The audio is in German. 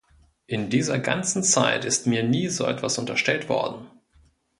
In dieser ganzen Zeit ist mir nie so etwas unterstellt worden.